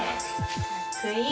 かっこいい！